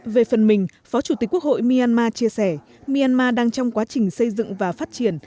về phần mình phó chủ tịch quốc hội myanmar chia sẻ myanmar đang trong quá trình xây dựng và phát triển